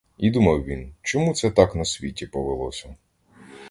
І думав він: чому це так на світі повелося?